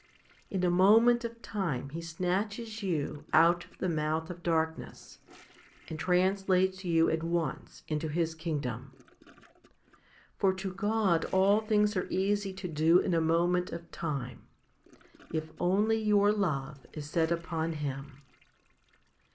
In a moment of time He snatches you out of the mouth of darkness, and trans lates you at once into His kingdom. For to God all things are easy to do in a moment of time, if only your love is set upon Him.